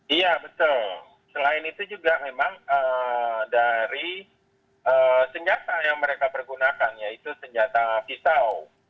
iya betul selain itu juga memang dari senjata yang mereka pergunakan yaitu senjata pisau